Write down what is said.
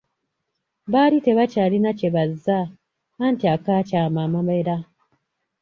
Baali tebakyalina kye bazza, anti, akaakyama amamera!